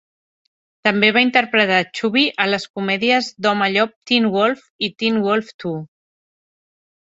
També va interpretar Chubby a les comèdies d'home llop "Teen Wolf" i "Teen Wolf Too".